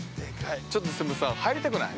ちょっとでもさ、入りたくない？